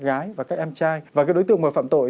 gái và các em trai và các đối tượng mà phạm tội